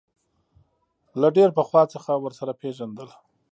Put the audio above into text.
له ډېر پخوا څخه ورسره پېژندل.